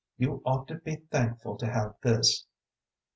You ought to be thankful to have this."